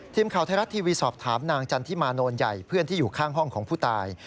ทีมข่าวไทยรัฐทีวีสอบถามนางจันทิมาโนนใหญ่เพื่อนที่อยู่ข้างห้องของผู้ตาย